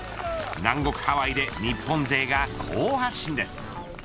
南国ハワイで日本勢が好発進です。